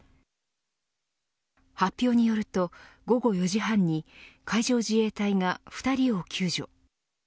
発表によると午後４時半に海上自衛隊が２人を救助。